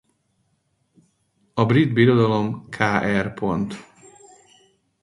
A birodalom kr.